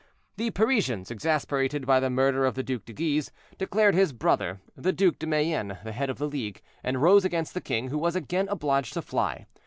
The Parisians, exasperated by the murder of the Duc de Guise, declared his brother, the Duc de Mayenne, the head of the League, and rose against the king, who was again obliged to fly.